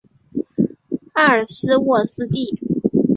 埃尔斯沃思地。